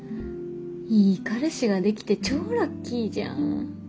いい彼氏ができて超ラッキーじゃん。